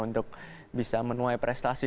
untuk bisa menuai prestasi